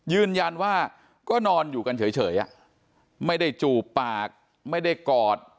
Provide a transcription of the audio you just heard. ยืนยันว่าก็นอนอยู่กันเฉยไม่ได้จูบปากไม่ได้กอด